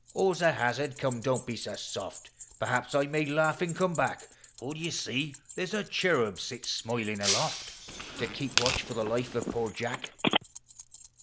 All's a hazard: come, don't be so soft: Perhaps I may laughing come back; For, d' ye see, there 's a cherub sits smiling aloft, To keep watch for the life of poor Jack